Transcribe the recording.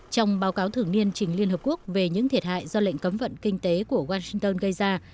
trong báo cáo thường niên trình liên hợp quốc về những thiệt hại do lệnh cấm vận kinh tế của washington gây ra